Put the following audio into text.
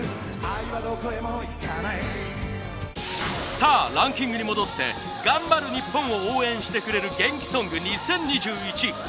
さあランキングに戻って頑張る日本を応援してくれる元気ソング２０２１。